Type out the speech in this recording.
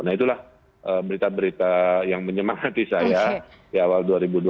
nah itulah berita berita yang menyemangati saya di awal dua ribu dua puluh